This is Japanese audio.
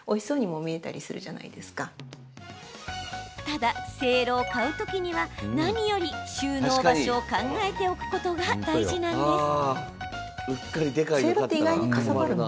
ただ、せいろを買う時には何より収納場所を考えておくことが大事なんです。